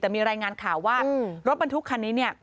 แต่มีรายงานข่าวว่ารถบรรทุกคันนี้เนี่ย